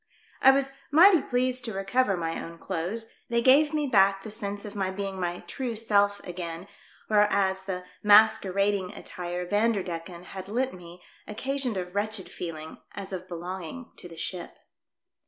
I was mighty pleased to recover my own clothes ; they gave me back the sense of my being my true self again, whereas the mas querading attire Vanderdecken had lent me occasioned a wretched feeling as of belonging to the ship.